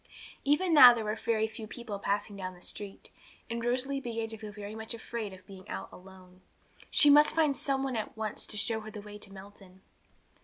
Even now there were very few people passing down the street, and Rosalie began to feel very much afraid of being out alone. She must find some one at once to show her the way to Melton.